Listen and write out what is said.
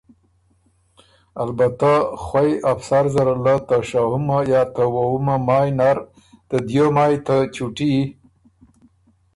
البته خوئ افسر زره له شهُمه یا وووُمه مائ نر ته دیو مائ ته چُوټي